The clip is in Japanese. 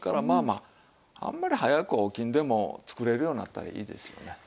まあまああんまり早く起きんでも作れるようになったらいいですよね。